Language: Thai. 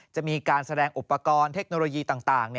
จะมีการแสดงอุปกรณ์เทคโนโลยีต่าง